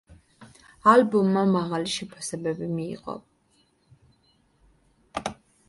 ალბომმა მაღალი შეფასებები მიიღო.